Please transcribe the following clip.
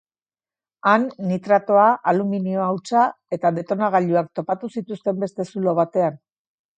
Han nitratoa, alumunio hautsa eta detonagailuak topatu zituzten beste zulo batean.